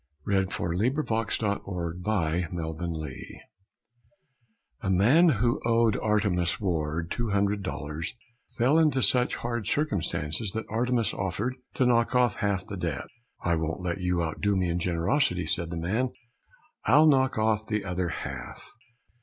Matthew Arnold A HYMN TO HAPPINESS A man who owed Artemus Ward two hundred dollars fell into such hard circumstances that Artemus offered to knock off half the debt. "I won't let you outdo me in generosity," said the man; "I'll knock off the other half."